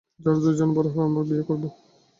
যখন দুজনেই বড় হবো, আমরা বিয়ে করবো।